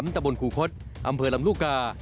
ตะบนครูคศอำเภอลำลูกกา